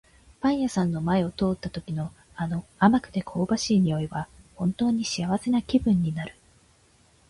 パン屋さんの前を通った時の、あの甘くて香ばしい匂いは本当に幸せな気分になる。